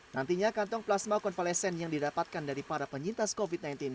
nantinya kantong plasma konvalesen yang didapatkan dari para penyintas covid sembilan belas